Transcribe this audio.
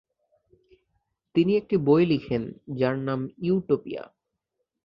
তিনি একটি বই লিখেন যার নাম "ইউটোপিয়া"।